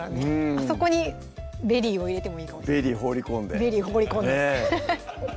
あそこにベリーを入れてもいいかもしれないベリー放り込んでね